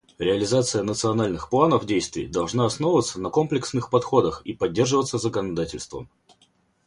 Реализация национальных планов действий должна основываться на комплексных подходах и поддерживаться законодательством.